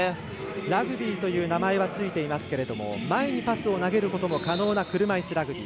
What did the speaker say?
ラグビーという名前はついていますけれども前にパスを投げることも可能な車いすラグビー。